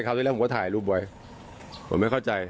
ที่แรกผมก็ถ่ายรูปไว้ผมไม่เข้าใจ